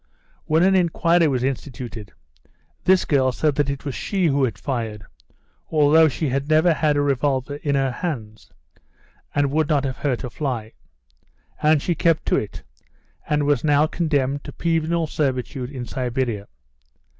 When an inquiry was instituted, this girl said that it was she who had fired, although she had never had a revolver in her hands, and would not have hurt a fly. And she kept to it, and was now condemned to penal servitude in Siberia.